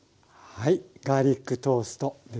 はい。